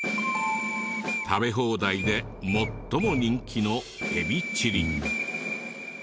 食べ放題で最も人気のエビチリ。